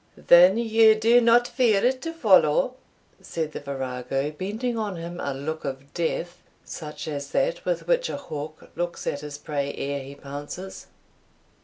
"Then you do not fear to follow?" said the virago, bending on him a look of death, such as that with which a hawk looks at his prey ere he pounces.